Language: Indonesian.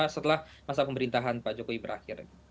setelah masa pemerintahan pak jokowi berakhir